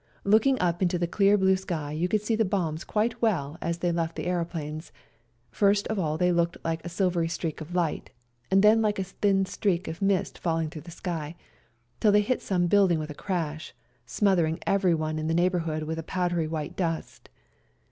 Looking up into the clear blue sky you could see the bombs quite well as they left the aeroplanes : first of all they looked like a silvery streak of light, and then like a thin streak of mist falling through the sky, till they hit some building with a crash, smothering everyone in the neighbourhood with a powdery white dust.